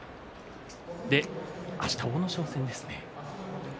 あしたは阿武咲戦です。